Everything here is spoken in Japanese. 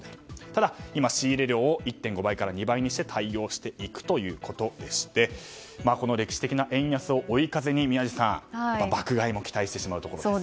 ただ仕入れ量を１．５倍から２倍にして対応していくということでしてこの歴史的な円安を追い風に、宮司さん爆買いも期待してしまうところです。